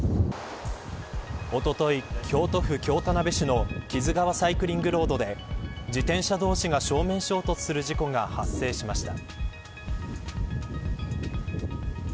おととい、京都府京田辺市の木津川サイクリングロードで自転車同士が正面衝突する事故が発生しました。